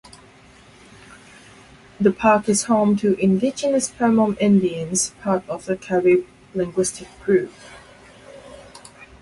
The park is home to indigenous Pemon Indians, part of the Carib linguistic group.